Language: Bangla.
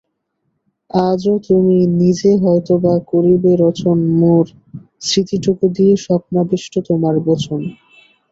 আজো তুমি নিজে হয়তো-বা করিবে রচন মোর স্মৃতিটুকু দিয়ে স্বপ্নাবিষ্ট তোমার বচন।